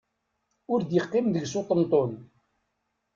Ur d-iqqim deg-s uṭenṭun.